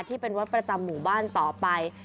ที่เป็นวัดประจำหมู่บ้านต่อไป